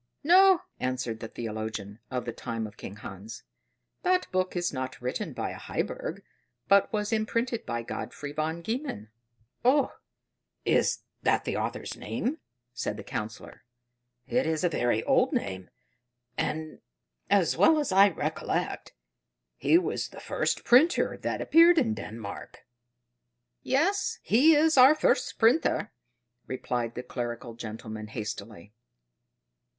"No," answered the theologian of the time of King Hans: "that book is not written by a Heiberg, but was imprinted by Godfrey von Gehmen." "Oh, is that the author's name?" said the Councillor. "It is a very old name, and, as well as I recollect, he was the first printer that appeared in Denmark." "Yes, he is our first printer," replied the clerical gentleman hastily.